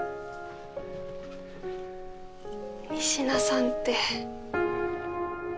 仁科さんって。